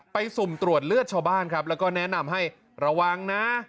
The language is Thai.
สุ่มตรวจเลือดชาวบ้านครับแล้วก็แนะนำให้ระวังนะ